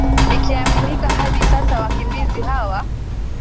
ikiaminika hadi sasa wakimbizi hawa